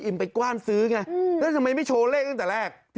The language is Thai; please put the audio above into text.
ไปกว้านซื้อไงแล้วทำไมไม่โชว์เลขตั้งแต่แรก